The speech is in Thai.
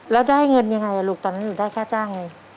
แล้วได้เงินยังไงลูกตอนนั้นหนูได้ค่าจ้างไง